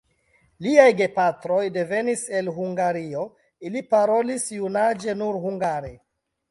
Liaj gepatroj devenis el Hungario, ili parolis junaĝe nur hungare.